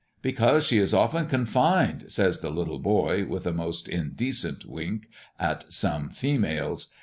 "Because she is often confined," says the little boy, with a most indecent wink at some females.